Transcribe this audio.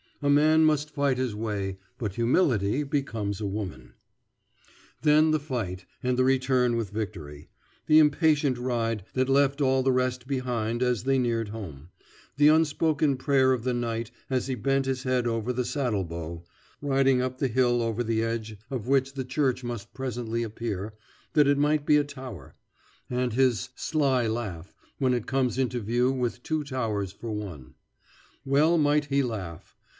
A man must fight his way, but humility becomes a woman." Then the fight, and the return with victory; the impatient ride that left all the rest behind as they neared home, the unspoken prayer of the knight as he bent his head over the saddle bow, riding up the hill over the edge of which the church must presently appear, that it might be a tower; and his "sly laugh" when it comes into view with two towers for one. Well might he laugh.